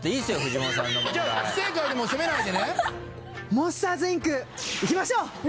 『モンスターズ・インク』いきましょう！